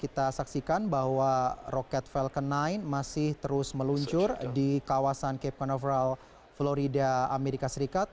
kita saksikan bahwa roket falcon sembilan masih terus meluncur di kawasan cape canaveral florida amerika serikat